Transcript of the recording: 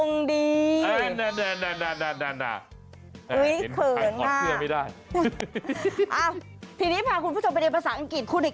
กลับว่าพูดอ่าแต่กลุ่มชอบพูดอ่า